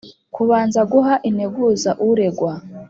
kubanza guha integuza uregwa